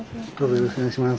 よろしくお願いします。